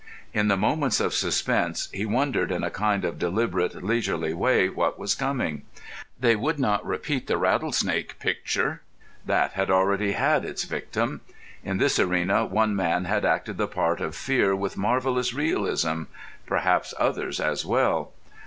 In the moments of suspense he wondered in a kind of deliberate, leisurely way what was coming. They would not repeat the rattlesnake picture. That had already had its victim. In this arena one man had acted the part of fear with marvellous realism—perhaps others as well.